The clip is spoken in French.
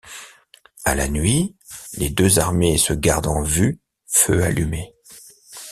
À la nuit, les deux armées se gardent en vue, feux allumés.